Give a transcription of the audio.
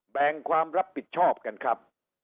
แบ่งความรับผิดชอบกันครับ